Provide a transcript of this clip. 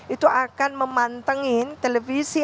itu akan memantengin televisi